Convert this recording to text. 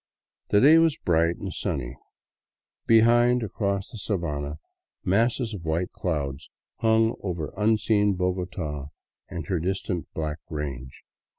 The day was bright and sunny. Behind, across the sabana, masses of white clouds hung over unseen Bogota and her distant black range.